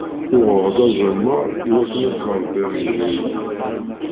Uɣeɣ-d azamar iwakken ad t-rebbiɣ i lɛid.